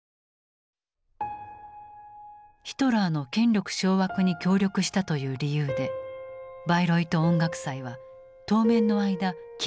ヒトラーの権力掌握に協力したという理由でバイロイト音楽祭は当面の間禁止となった。